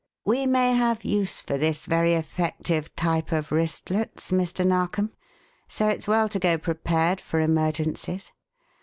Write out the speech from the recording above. "We may have use for this very effective type of wristlets, Mr. Narkom; so it's well to go prepared for emergencies.